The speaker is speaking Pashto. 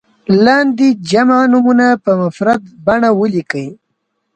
لاندې جمع نومونه په مفرد بڼه ولیکئ.